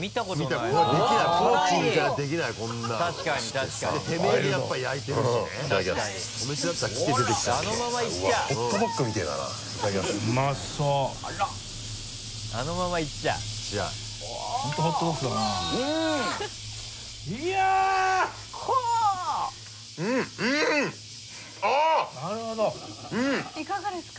いかがですか？